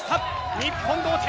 日本、同点。